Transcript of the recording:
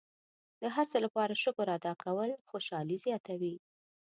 د هر څه لپاره شکر ادا کول خوشحالي زیاتوي.